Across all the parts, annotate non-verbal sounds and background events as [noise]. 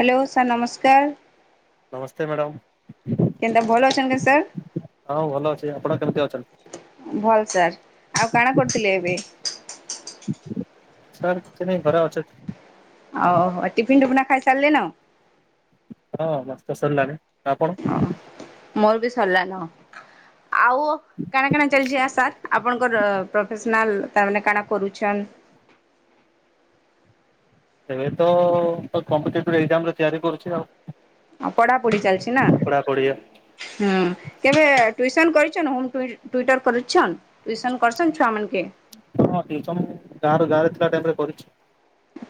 Hello sir ନମସ୍କାର। ନମସ୍ତେ madam. କେନ୍ତା ଭଲ ଅଛନ୍ କେ ସାର୍। ହଁ ଭଲ ଅଛି ଆପଣ କେମିତି ଭଲ୍ ସାର୍ ଅଛନ୍ତି। ଆଉ କାଣା କରୁଥିଲେ ଏବେ? ସାର୍ [unintelligible] ଆଉ ଟିଫିନ ଟିିଫନା ଖାଇ ସାରିଲେ ନ। ହଁ ମସ୍ତ ସରିଲାଣି ଆପଣ? ଓ ମୋର ବି ସରିଲାନ। ଆଉ କାଣା କଣା ଚାଲିଛି ଆ ସାର୍ ଆପଣଙ୍କର ପ୍ରଫେସନାଲ ତାମାନୋନ କାଣା କରୁଛନ୍? ଏବେ ତ କମ୍ପିଟେଟିଭ ଏଜାମ ତିଆରି କରୁଛି ଆଉ। ଆ ପଢାପଢି ଚାଲିଛି ନା ପଢାପଢି ହଁ କେବେ ଟ୍ୟୁସନ୍ କରି [unintelligible] ଟ୍ୟୁସନ କରଛନ୍ ଛୁଆ ମାନ କେ। ହଁ [unintelligible] ଗାଁ ଗାଁରେ ଥିଲା ଟାଇମ ରେ କରିଛି।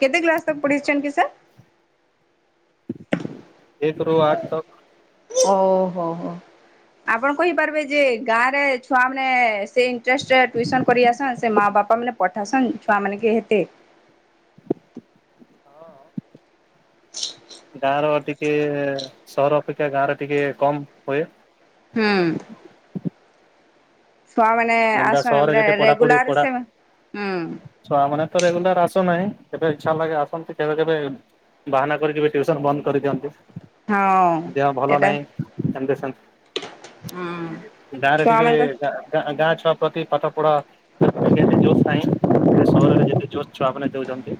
କେତେ କ୍ଲାସ ତ ପଢିଛନ୍ତି କି ସାର୍ ଏକ ରୁ ଆଠ ତ ଓହୋ ହୋ ଆପଣ କହିପାରିବେ ଯେ ଗାଁରେ ଛୁଆ ମାନେ ସେ ଇଣ୍ଟରେଷ୍ଟରେ ଟ୍ୟୁସନ୍ କରିଆସନ୍ ସେ ମା ବାପ ଲୋକମାନେ ପଠାସନ୍ ଛୁଆ ମାନେ କି ହେତେ ହଁ ଗାଁର ଟିକ ଟିକେ ସହର ଅପେକ୍ଷା ଗାଁରେ ଟିକେ କମ ହୁଏ। ହୁଁ ଛୁଆମାନେ ଦଣ୍ଡା ଆସନ୍ ସହରରେ ବୋଲେ ଯେତେ ପଢ଼ାପଢ଼ି ରେଗୁଲାର ପଢ଼ା ସେ ହୁଁ ଛୁଆମାନେ ତ ରେଗୁଲାର ଆସୁ ନାହିଁ। କେବେ ଇଚ୍ଛା ଲାଗେର ଆସନ୍ତି କେବେ କେବେ ବାହାନା କରିକି ବି ଟିଉସନ ବନ୍ଦ କରିଦିଅନ୍ତି। ହଁ ଦେହ ଭଲ ଏଟା ନାହିଁ ଏମତି ହୁଁ। ସେମତି ଗାଁ ରେ ଟିକେ ଛୁଆମାନଙ୍କ ଗାଁ ଗାଁ ଗାଁ ଛୁଆ ପ୍ରତି ପାଠ ପଢ଼ା ଜୋସ୍ ନାହିଁ ସହରରେ ଯେ ଜୋସ୍ ଛୁଆ ମାନେ ଦେଉଛନ୍ତି।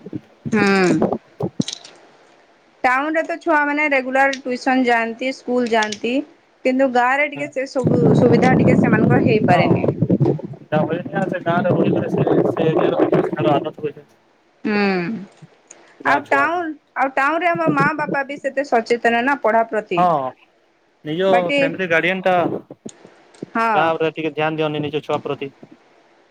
ଟାଉନ ରେ ତ ଛୁଆ ମାନେ ରେଗୁଲାର ଟିଉସନ ଯାଆନ୍ତି ସ୍କୁଲ ଯାଆନ୍ତି। କିନ୍ତୁ ଗାଁ ରେ ଟିକେ ସେ ସବୁ ସୁବିଧା ଟିକେ ସେମାନଙ୍କର ହେଇପାରେନି। ଗାଁର ବୋଲିକିରି ସେ ସେ ଏରିଆର ହୁଁ ଆଉ ଛୁଆ ଟାଉନ୍ ଆଉ ଟାଉନ୍ ରେ ଆମ ମା ବାପା ବି ସେତେ ସଚେତନ ନା। ପଢା ପ୍ରତି ହଁ ନିଜ ବାକି ଫ୍ୟାମିଲି ଗାର୍ଡିଆନ ଟା ହଁ ଗାଁ ରେ ଟିକେ ଧ୍ୟାନ ଦିଅନ୍ତିନି ନିଜ ଛୁଆକୁ ଙ୍କ ପ୍ରତି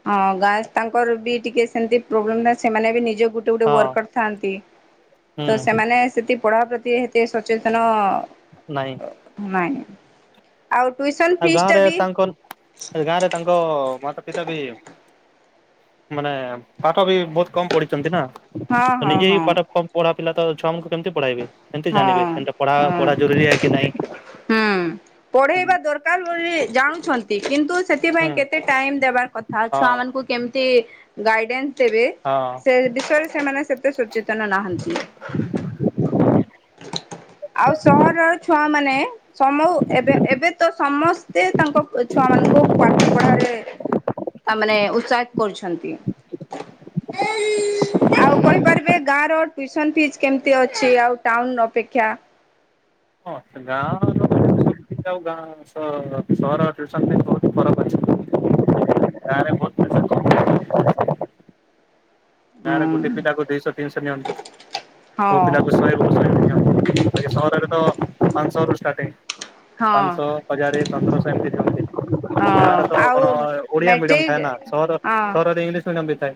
ହଁ ଗାଁରେ ତାଙ୍କର ବି ଟିକେ ସେମତି ପ୍ରୋବ୍ଲେମ ନା ସେମାନେ ବି ନିଜ ଗୋଟେ ଗୋଟେ ହଁ ୱାର୍କର ଥାନ୍ତି ହୁଁ ତ ସେମାନେ ସେଠି ପଢ଼ା ପ୍ରତି ଏତେ ସଚେତନ ନାଇଁ ନାଇଁ ଆଉ ଗାଁରେ ବି ତାଙ୍କ ଗାଁ ରେ ତାଙ୍କ ମାତା ପିତା ବି [inaudible] ମାନେ ପାଠ ବି ବହୁତ କମ ପଢ଼ିଛନ୍ତି ନା। ହଁ ତ ହଁ ନିଜେ ହି ହଁ ପାଠ କମ୍ ପଢ଼ା ପିଲା ତ ଛୁଆ କେମତି ପଢ଼ାଇବେ କେମତି ହଁ ଜାଣିବେ କେମତି ପଢ଼ା ହଁ। ପଢ଼ା ଜରୁରୀ କି ନାଇଁ। [inaudible] ହୁଁ। ପଢ଼େଇବା ଦରକାର ବୋଲି ଜାଣୁଛନ୍ତି କିନ୍ [unintelligible] ସେଥିପାଇଁ କେତେ ଟାଇମ ଦେବାର କଥା। ଆଉ ହଁ ଛୁଆ ମାନଙ୍କୁ କେମିତି ଗାଇଡ଼ାନ୍ସ ତେବେ ହଁ। ସେ ବିଷୟରେ ସେମାନେ ସେତେ ସଚେତନ ନାହାଁନ୍ତି। ଆଉ ସହରର ଛୁଆ ମାନେ ସମୁ ଏବେ ଏବେ ତ ସମସ୍ତେ ତାଙ୍କ ଛୁଆ ମାନଙ୍କୁ ପାଠ ପଢ଼ାରେ ତା ମାନେ ସାହାଯ୍ୟ କରୁଛନ୍ତି ଆଉ କହିପାରିବେ ଗାଁର ଟିଉସନ ଫିସ୍ କେମିତି ଅଛି ଆଉ ଟାଉନ୍ ଅପେକ୍ଷା ହଁ ଗାଁ ଲୋକ ଆ ଗାଁ ସହର ଆଉ ସହରଟ ଟିଉସନ୍ ଫି ବହୁତ ଫରକ ଅଛି ଗାଁରେ ବହୁତ ପଇସା ଗାଁରେ ଗୋଟେ ହୁଁ ପିଲାକୁ ଦୁଇଶହ ତିନିଶହ ନିଅନ୍ତି ମୋଉ ହଁ। ପିଲାକୁ ଶହେଶହ ନିଅନ୍ତି ଆ ସହରରେ ତ ପାଞ୍ଚଶହ ରୁ ଷ୍ଟାର୍ଟିଂ। ହଁ ପାଂସ ହଜାରେ ତନ୍ଦରସ ଏମିତି ହଁ ଗାଁରେ ତ ଆଉ କଣ ଓଡିଆ ମିଡିମ ମେଟ୍ରିକ୍ ଥାଏ ନା ସହର ହଁ। ସହରରେ ଇଂଲିଶ ମିଡିୟମ [inaudible]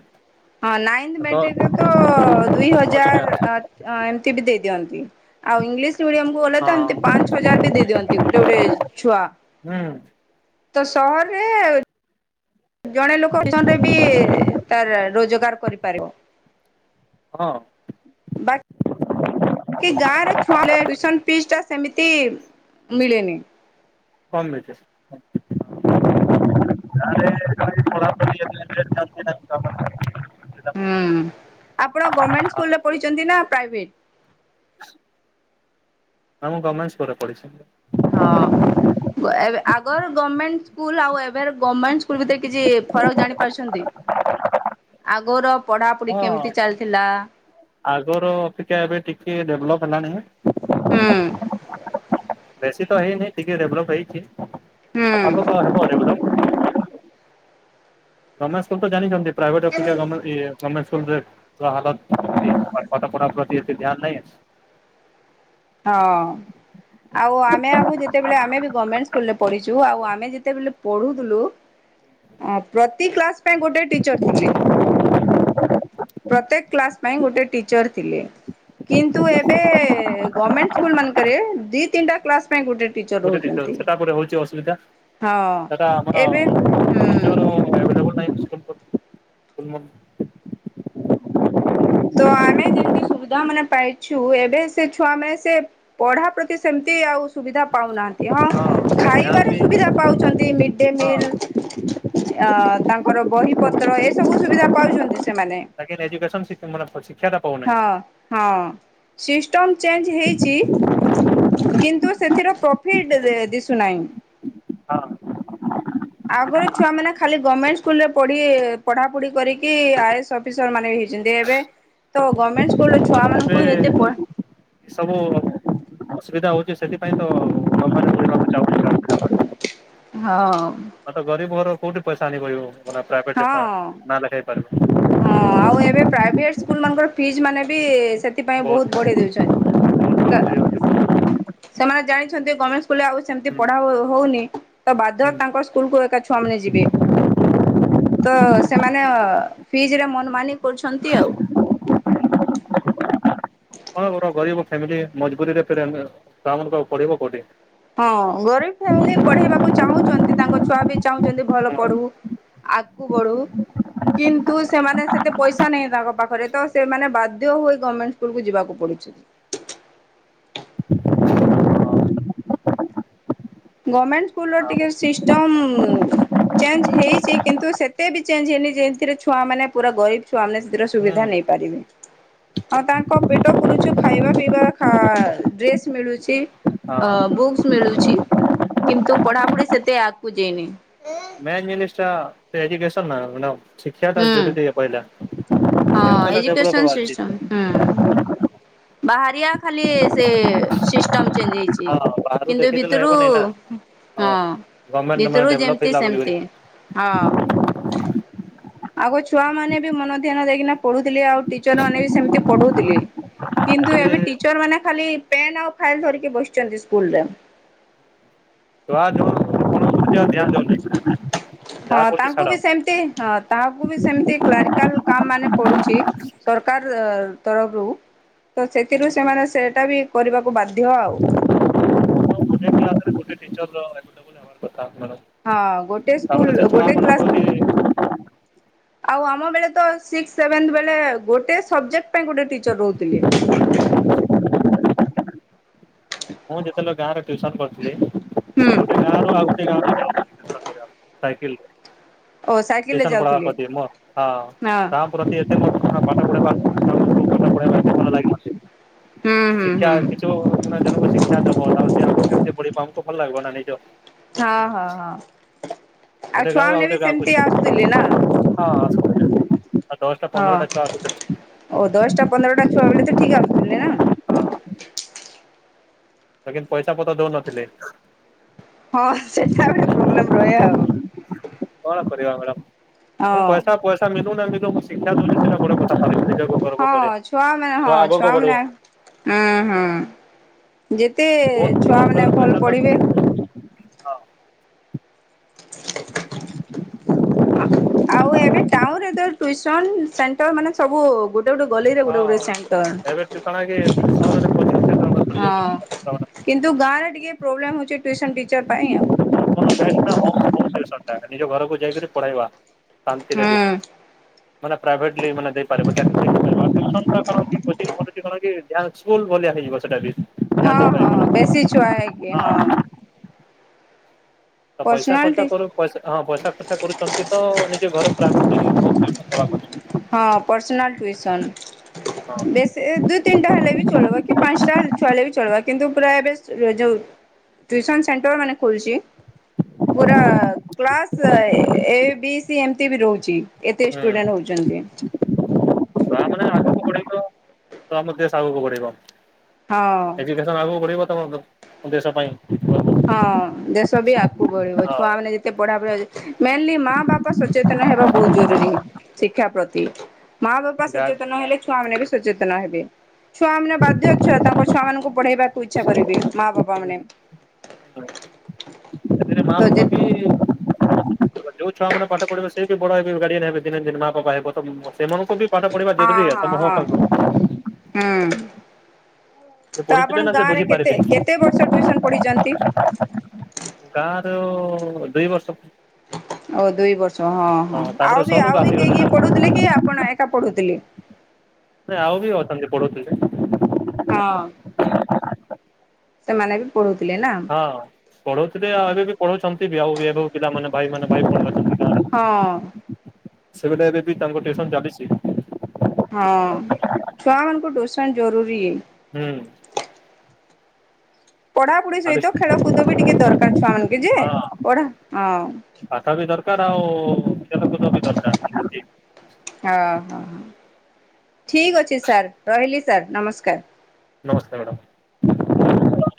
ହଁ ନାଇନ୍ଥ ମେଟ୍ରିକରେ ତ ଦୁଇ ଅଧିକାଂଶ। ହଜାର ଏମତି ବି ଦେଇ ଦିଅନ୍ତି ଆଉ ଇଂଲିଶ ମିଡିଅମକୁ ଗଲେ ତ ହଁ ଏମିତି ପାଞ୍ଚ ହଜାର ବି ଦେଇ ଦିଅନ୍ତି ଗୋଟେ ଗୋଟେ ଛୁଆ। ହୁଁ ତ ସହରରେ ଜଣେ ଲୋକ [unintelligible] ରେ ବି ତାର ରୋଜଗାର କରିପାରିବ। ହଁ କି ଗାଁରେ ଛୁଆଲେ ଟ୍ୟୁସନ୍ ଫିସ୍ ଟା ସେମିତି ମିଳେନି। କମ୍ [unintelligible] ହୁଁ ଆପଣ ଗଭର୍ଣମେଣ୍ଟ ଆଉ ସ୍କୁଲରେ ପଢିଛନ୍ତି ନା ପ୍ରାଇଭେଟ? ନା ମୁଁ ଗଭମେଣ୍ଟ ସ୍କୁଲରେ ପଢ଼ିଚି। ହଁ ଆଗ ଗମେଣ୍ଟ ସ୍କୁଲ ଆଉ ଏବେର ଗମେଣ୍ଟ ସ୍କୁଲ ଭିତରେ କିଛି ଫରକ ଜାଣି ପାରୁଛନ୍ତି ଆଗର ପଢାପଢି ହଁ କେମିତି ଚାଲିଥିଲା? ଆଗର ଅପେକ୍ଷା ଏବେ ଟିକେ ଡେଭଲପ ହେଲାଣିଁ। ହୁଁ ବେଶୀ ତ ହେଇନି ଟିକେ ଡେଭଲପ ହେଇଛି। ହଁ। ଆଉ ଆ। ରମେଶକୁଲ ତ ଜାଣିଛନ୍ତି। ପ୍ରାଇଭେଟ ଅପେକ୍ଷା ଗଭ୍ମେଣ୍ଟ ଇଏ ତମେ ସବୁରେ [unintelligible] ପଢ଼ାର ପ୍ରତି ଏତେ ଧ୍ୟାନ ନାଇଁ ହଁ ଆଉ ଆମେ ଆ ଯେତେବେଳେ ଆମେ ବି ଗଭ୍ମେଣ୍ଟ ରେ ପଢିଚୁ ଆଉ ଆମେ ଯେତେବେଳେ ପଢୁଥିଲୁ ପ୍ରତି କ୍ଲାସ ପାଇଁ ଗୋଟେ ଟିଚର ଥିଲେ। [inaudible] ପ୍ରତ୍ୟେକ କ୍ଲାସ ପାଇଁ ଗୋଟେ ଟିଚର ଥିଲେ କିନ୍ତୁ ଏବେ ଗମେଣ୍ଟ ସ୍କୁଲ ମାନଙ୍କରେ ଦି ତିନିଟା କ୍ଲାସ ପାଇଁ ଗୋଟେ ଟିଚର୍ ଗୋଟେ ଟିଚର ଦ ରହୁଛନ୍ତି। ସେଟା ପରେ ହଉଛି ଅସୁବିଧା ହଁ ସେଟା ଆମର ଏବେ ହୁଁ ଟିଚର ଓ [unintelligible] [unintelligible] ତ ଆମେ ଯେମିତି ସୁବିଧା ମାନେ ପାଇଛୁ ଏବେ ସେ ଛୁଆ ମାନେ ସେ ପଢା ପ୍ରତି ସେମିତି ଆଉ ସୁବିଧା ପାଉନାହାନ୍ତି। ହଁ ଧ୍ୟାନ ଖାଇବାରେ ବି ହଁ ସୁବିଧା ପାଉ ମିଡ ଡେ ମିଲ ଅ ତାଙ୍କର ବହି ପତ୍ର ଏସବୁ ସୁବିଧା ପାଉଛନ୍ତି ସେମାନେ। ତାି ଏଜୁକସନ ଶି ହଁ ହଁ ଶିଷ୍ ଟନ ଚେଞ୍ଜ୍ ହେଇଚି କିନ୍ତୁ ସେଥିର ପ୍ରଫିଟ୍ ଦିଶୁନାହିଁ। ହଁ। ଆଗରେ ଛୁଆ ମାନେ ଖାଲି ଗମେଣ୍ଟ ସ୍କୁଲ୍ ରେ ପଢ଼ି ପଢ଼ା ପୁଢ଼ି କରିକି ଆଇଏସ୍ ଅଫିସର ମାନେ ହେଇଛନ୍ତି। ଏବେ ତ ଗମେଣ୍ଟ୍ ସ୍କୁଲ୍ ର ଛୁଆ ମାନଙ୍କୁ ଏତେ ପ ଏ ସବୁ ଅସୁବିଧା ହୋଉଚି ସେଥିପାଇଁ ତ [unintelligible] ହଁ। ହ ତ ଗରିବ ଘର କୋଉଠି ପଇ ହଁ ଆଉ ଏବେ ପ୍ରାଇଭେଟ୍ ସ୍କୁଲ [unintelligible] ମାନଙ୍କର ଫିଜ୍ ମାନେ ବି ସେଥିପାଇଁ ବହୁତ ବଢେଇ ଦେଉଛଇଁ କା ସେମାନେ ଜାଣିଛନ୍ତି ଗର୍ମେଣ୍ଟ୍ ସ୍କୁଲ୍ ରେ ଆଉ ସେମିତି ହୁଁ ପଢା ହଉନି। ତ ବାଧ୍ୟ ହୁଁ ତାଙ୍କ ସ୍କୁଲ୍ କୁ ଏକା ଛୁଆ ମାନ ଯିବେ। ତ ସେମାନ ଫିଜ୍ ରେ ମନ୍ ମି କରୁଛନ୍ତି ଆଉ। [inaudible] ମୋର ଗରିବ ଫ୍ୟାମିଲି ମଜ୍ ବୁରିରେ ଫେରେ ଛୁଆ ମାନକୁ ପଢେଇବ କୋଉଠି? ହଁ ଗରିବ୍ ଫ୍ୟାମିଲି ପଢେଇବାକୁ ଚାହୁଁଛନ୍ତି ତାଙ୍କ ଛୁଆ ବି ଚାହୁଁଛନ୍ତି ଭଲ ହଁ ପଢୁ। ଆଗକୁ ବଢୁ କିନ୍ତୁ, ସେମାନେ ସେତେ ପଇସା ନାହିଁ ତାଙ୍କ ପାଖରେ। ତ ସେମାନେ ବାଧ୍ୟ ହୋଇ ଗମେଣ୍ଟ ସ୍କୁଲକୁ ଯିବାକୁ ପଡୁଛି। [inaudible] ଗମେଣ୍ଟ୍ ସ୍କୁଲ୍ ର ଆଉ ଟିକେ ସିଷ୍ଟମ୍ ଚେଞ୍ଜ୍ ହେଇଚି କିନ୍ତୁ ସେତେ ବି ଚେଞ୍ଜ୍ ହେଇନି। ଯେଇଥିରେ ଛୁଆ ମାନ ପୁରା ଗରିବ ଛୁଆ ସେଥିରେ ହୁଁ ସୁବିଧା ନେଇପାରିବେ। ଆଉ ତାଙ୍କ ପେଟ ପୁରୁଛୁ ଖାଇବା ପିଇବା ଡ୍ରେସ୍ ମିଳୁଛି ହଁ। ବୁକ୍ସ୍ ମିଳୁଛି। କିନ୍ତୁ ପଢାପୁଢି ସେତେ ଆଗ୍ କୁ ଯାଇନି। ମେନ୍ ଯିନିଷ୍ ଟା ଏଜୁକେସନ୍ ନା ହୁଁ। ହଁ ଏଜୁକେସନ୍ ସିଷ୍ଟମ୍ ହୁଁ। [unintelligible] ବାହାରିଆ ଖାଲି ସେ ସିଷ୍ଟମ୍ ଚେଞ୍ ହେଇଚି କିନ୍ତୁ ଭିତୁରୁ ହେବନି ନା ହଁ ଗଭର୍ଣ୍ଣମେଣ୍ଟ ମାନେ ଭିତରୁ ଯେମ୍ ଡେଭଲପ ତି ହେଲା ବୋଲିକରି ସେମତି ହଁ। [inaudible] ଆଗ ଛୁଆ ମାନେ ବି ମନ ଧ୍ୟାନ ଦେଇକିନା ପଢୁଥିଲେ। ଆଉ ଟିଚର ମାନେ ବି ସେମିତି ପଢଉଥିଲେ। କିନ୍ତୁ ଆଜି ଏବେ ଟିଚର୍ ମାନେ ଖାଲି ପେନ୍ ଆଉ ଫାଇଲ୍ ଧରିକି ବସିଚନ୍ତି ସ୍କୁଲ୍ ରେ। [inaudible] [unintelligible] ହଁ ଯାହା କରୁଛି ତାଙ୍କୁ ଛାଡ ବି ସେମ୍ତି ହଁ ତାଙ୍କୁ ବି ସେମ୍ତି କ୍ଲାରିକାଲ୍ କାମ ମାନେ ପଡୁଛି। ସରକାର ତରଫ୍ ରୁ ତ ସେଥିରୁ ସେମାନେ ସେଟା ବି କରିବା [unintelligible] [unintelligible] ହଁ ଗୋଟେ ସ୍କୁଲ୍ ତାପରେ ସେ ଛୁଆ ଗୋଟେ କ୍ଲାସ୍ ପା ମାନଙ୍କୁ ଆଉ ଆମ ବେଳେ ତ ସିକ୍ସ୍ ସେଭେନ୍ତ୍ ବେଳେ ଗୋଟେ ସବ୍ଜେକ୍ଟ୍ ପାଇଁ ଗୋଟେ ଟିଚର୍ ରହୁଥିଲେ। ମୁଁ ଜତଲ ଗାଁ ରେ କରିଥିଲେ ହୁଁ ଗୋଟେ ଗାଁର ଆଉ ଗୋଟେ ଗାଁ ର ସାଇକେଲ୍। ଓ ସାଇକେଲରେ ଯାଉଥିଲେ ହଁ [unintelligible] [unintelligible] ହୁଁ [unintelligible] ହୁଁ ହୁଁ। ତେଲ ପଢିବୁ ଆମୁକୁ ଭଲ୍ ଲାଗିବ ନାଁ ନିଜ ହଁ ହଁ ହଁ। ଗୋଟେ ଗାଁ ଆଉ ଛୁଆମାନେ ବି ଗୋଟେ ଗାଁ ସେମିତି ଆସୁଥିଲେ ନା କ ହଁ। ଆସୁଥିଲେ ଆଉ ଦଶଟା ହଁ ପନ୍ଦରଟା ଛୁଆ ଆସୁଥିଲେ ଓ ଦଶଟା ପନ୍ଦରଟା ଛୁଆ ବେଳେ ତ ଠିକ ଆସୁଥିଲେ ନା। ଲକନ୍ତ ପଇସା ପତ୍ର ଦଉନଥିଲେ। ହଁ ସେଟା ଗୋଟେ ପ୍ରୋବ୍ଲେମ ରହେ ଆଉ। ହଁ ପଇସା ପଇସା ମିଲୁ ନା ମିଲୁ ଶିକ୍ଷା ଦଉଛି ସେଟା ବଡ଼ କଥା। ଭାବିବି ନିଜକୁ ଗର୍ବ କରେ ହଁ ଛୁଆମାନେ ହଁ ଛୁଆ ଆଗକୁ ବଢିବ ଛୁଆମାନେ ହଁ ହଁ। ଯେତେ ବହୁତ ଛୁଆ ମାନେ ରୋଜଗାର ଭଲ ପଇସା ପଢିବେ ତ ହଁ। [inaudible] ହ ଆଉ ଏବେ ଟାଉନରେ ତ ଟୁଇସନ ସେଣ୍ଟର ମାନେ ସବୁ ଗୋ ହଁ ଦୟବଟୁ ଚଣ ହଁ କିନ୍ତୁ ଗାଁରେ ଟିକେ ପ୍ରୋବ୍ଲେମ୍ ହେଉଛି ଟ୍ୟୁସନ୍ ଟିଚର୍ ପାଇଁ ଆଉ। କଣ ବେଷ୍ଟ ନା ହୋମ ହୋମ ଟିଉସନ ନିଜ ଘରକୁ ଯାଇକରି ପଢେଇବା। ଶାନ୍ତିରେଠ। ହୁଁ [unintelligible] ହଁ ହଁ ବେଶିଛୁଆ ହେ କି ହଁ। ତ ପଇସା ପର୍ସନାଲ ଖର୍ଚା ଟି କରୁ ପଇସା ହଁ ପଇସା ଖର୍ଚା କରୁଛନ୍ତି ତ ନିଜେ ଘର [unintelligible] ହଁ ପର୍ସନାଲ ଟୁଇସନ୍ ହଁ ବେସି ଦୁଇ ତିନିଟା ହେଲେ ବି ଚଳିବ କି ପାଞ୍ଚଟା ଛୁଆ ହେଲେ ବି ଚଳିବ କିନ୍ତୁ ପୁରା ଏବେ ଯେଉ ଟିୟୁସନ୍ ସେଣ୍ଟର ମାନେ ଖୋଲୁଛି ପୁରା କ୍ଲାସ୍ ଏ ବି ସି ଏମିତି ବି ରହୁଚି। ଏତେ ଷ୍ଟୁଡଣ୍ଟେ ହ ଯିବେ ତାପରେ ଆଗକୁ ବଢେଇବ ତ ଆମ ଦେଶ ଆଗକୁ ବଢିବ। ହଁ। ଏଜୁକେସନ୍ ଆଗୁକୁ ବଢ଼ିବ [unintelligible] ଦେଶ ପାଇଁ। ହଁ ଦେଶ ବି ଆଗକୁ ବଢିବ ଛୁଆ ମାନେ ଯେତେ ପଢା ବଢି ମେଲି ମା ବାପା ସଚେତନ ହେବା ବହୁତୁ ଜରୁରୀ ଶିକ୍ଷା ପ୍ରତି। ମା ବାପା ଗାର୍ଡ ସଚେତନ ହେଲେ ଛୁଆ ମାନେ ବି ସଚେତନ ହେବେ। ଛୁଆ ମାନେ ବାଧ୍ୟ ଛୁଆ ତାଙ୍କ ଛୁଆ ମାନଙ୍କୁ ପଢେଇବାକୁ ଇଚ୍ଛା କରିବେ ମାଆ ବାପ୍ ହୁଁ କଣେ ସେଥିରେ ମା ତ ବାପା ଯେତ୍ ବି [inaudible] ଯୋଉ ଛୁଅମାନ ପାଠ ପଢିବ ସେଇ [unintelligible] ବଡ ହେଇକି ଗାର୍ଡିଏନ୍ ହେବେ ଦିନେ ନା ଦିନ୍ ମା ବାପା ହେବ ତ ମଙ୍ଗ୍ ସେମାନଙ୍କୁ ବି ପାଠ ପଢିବା ହଁ ହଁ ଜରୁରୀ ହଁ ହୁଁ। [unintelligible] ସେ ତ ଆପଣ ପଢିଥିବେ ନା ସେ ଗାଁରେ କେତେ ବୁଝିପାରିବେ କେତେ ବର୍ଷ ଟ୍ୟୁସନ ପଢିଛନ୍ତି? [inaudible] ଗାଁଆର ହଁ ଦୁଇ ବର୍ଷ। ଓ ଦୁଇ ବର୍ ହଁ ହଁ ଆଉ ତାପରେ ବି ସହରକୁ ଆଉ ବି କେହି ଆସିଗଲେ କେହି ନା କି ପଢୁଥିଲେ କି ଆପଣ ଏକା ପଢୁଥିଲେ? ନାଇଁ ଆଉ ବି ଅଛନ୍ତି ପଢ଼ୁଥିଲେ ହଁ ସେମାନେ ବି ପଢୁ ହଁଅ, ପଢଉଥିଲେ ଆଉ ଏବେ ବି ପଢଉଛନ୍ତି ବି ଆଉ ଏବେ ପିଲାମାନେ। ଭାଇମାନେ ଭାଇମାନେ ଅଛନ୍ତି। ହଁଅଅ ସେବେଠୁ ଏବେ ବି ତାଙ୍କ ଟ୍ୟୁସନ ଚାଲିଛି ହଁଅ ଛୁଆମାନଙ୍କୁ ଟ୍ୟୁସନ ଜରୁରୀ ହୁଁ। ପଢାପଢି ସହିତ ଚାଲିଛି ଖେଳକୁଦ ବି ଟିକେ ଦରକାର ଛୁଆମାନଙ୍କୁ ଯେ, ହଁ। ପଢା ହଁ ପାଠ ବି ଦରକାର ଆଉ ଖେଳକୁଦ ବି ଦରକାର ହଁ ହଁହଁ ଠିକ୍ ଅଛି ସାର୍ ରହିଲି ସାର୍ ନମସ୍କାର୍। ନମସ୍କାର ମ୍ୟାଡ଼ାମ୍।